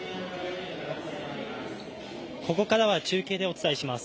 ここからは中継でお伝えします。